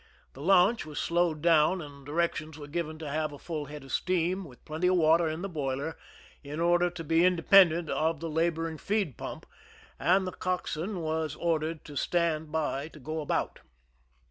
The launch was slowed down, and directions were given to have a full head c f steam, with plenty of water in the boiler, in order to be independent of the laboring feed pump, and the cockswain was ordered to stand by to go about.